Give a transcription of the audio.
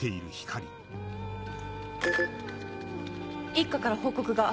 一課から報告が。